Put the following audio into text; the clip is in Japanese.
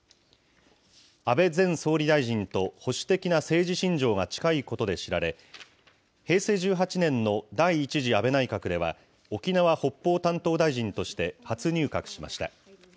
安倍前総理大臣と保守的な政治信条が近いことで知られ、平成１８年の第１次安倍内閣では、沖縄・北方担当大臣として、初入閣しました。